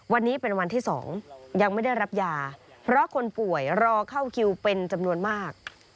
วันนี้เป็นวันที่๒ยังไม่ได้รับยาเพราะคนป่วยรอเข้าคิวเป็นจำนวนมาก